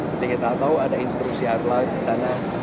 ketika kita tahu ada intrusi adalah di sana